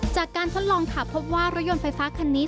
จากการทดลองค่ะพบว่ารถยนต์ไฟฟ้าคันนี้